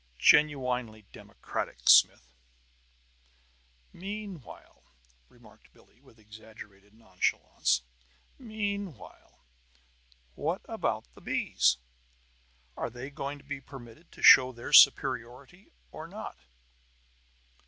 Genuinely democratic, Smith." "Meanwhile," remarked Billie, with exaggerated nonchalance, "meanwhile, what about the bees? Are they going to be permitted to show their superiority or not?"